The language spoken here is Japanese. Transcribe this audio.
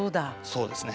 そうですね。